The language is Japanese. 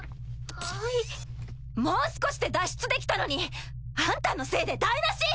もう少しで脱出できたのにあんたのせいで台なし！